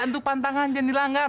itu pantangan jangan dilanggar